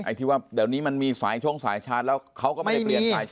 ที่ว่าเดี๋ยวนี้มันมีสายช่วงสายชาร์จแล้วเขาก็ไม่ได้เปลี่ยนสาย